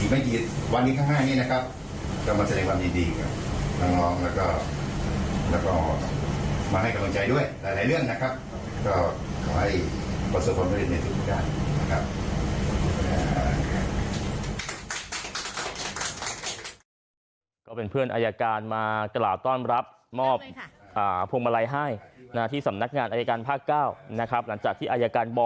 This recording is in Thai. มาให้กำลังใจด้วยหลายเรื่องนะครับ